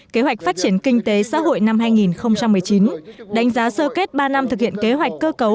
kế hoạch phát triển kinh tế xã hội năm hai nghìn một mươi chín đánh giá sơ kết ba năm thực hiện kế hoạch cơ cấu